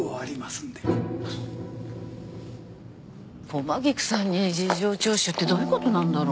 駒菊さんに事情聴取ってどういうことなんだろ？